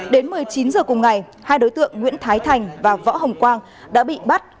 đến một mươi chín h cùng ngày hai đối tượng nguyễn thái thành và võ hồng quang đã bị bắt